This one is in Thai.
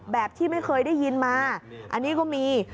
แบบที่ไม่เคยได้ยินมาอันนี้ก็มี